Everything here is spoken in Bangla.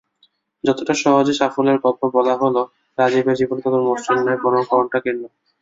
যতটা সহজে সাফল্যের গল্প বলা হলো, রাজীবের জীবনটা ততটা মসৃণ নয়, বরং কণ্টকাকীর্ণ।